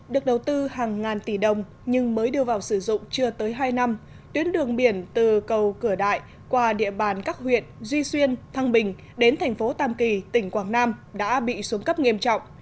được đầu tư hàng ngàn tỷ đồng nhưng mới đưa vào sử dụng chưa tới hai năm tuyến đường biển từ cầu cửa đại qua địa bàn các huyện duy xuyên thăng bình đến thành phố tam kỳ tỉnh quảng nam đã bị xuống cấp nghiêm trọng